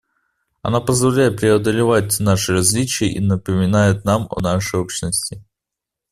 Он позволяет преодолевать наши различия и напоминает нам о нашей общности.